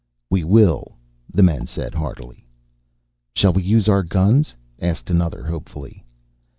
"We will!" the men said heartily. "Shall we use our guns?" asked another hopefully.